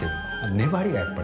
粘りがやっぱりすごい。